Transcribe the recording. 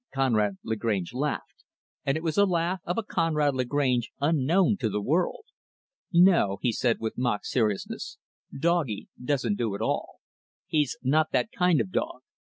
Conrad Lagrange laughed and it was the laugh of a Conrad Lagrange unknown to the world. "No," he said with mock seriousness, "'doggie,' doesn't do at all. He's not that kind of a dog.